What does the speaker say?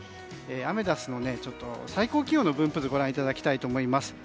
アメダスの最高気温の分布図をご覧いただきたいと思います。